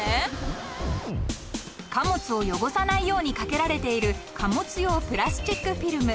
［貨物を汚さないように掛けられている貨物用プラスチックフィルム］